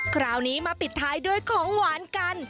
คราวนี้มาปิดท้ายด้วยของหวานกัน